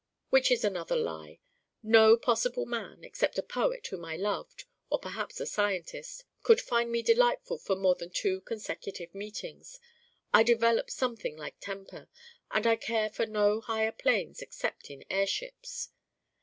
Which is another lie. No possible man (except a Poet whom I loved or perhaps a scientist ) could find me delightful for more than two consecutive meetings I develop something like temper and I care for no higher planes except in airships.